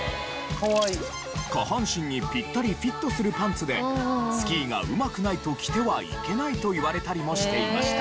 下半身にピッタリフィットするパンツでスキーがうまくないと着てはいけないと言われたりもしていました。